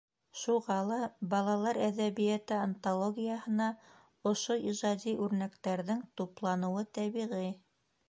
Шуға ла «Балалар әҙәбиәте антологияһы»на ошо ижади үрнәктәрҙең тупланыуы тәбиғи.